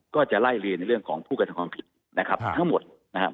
ก็จะไล่เรียนในเรื่องของผู้กระทำความผิดนะครับทั้งหมดนะครับ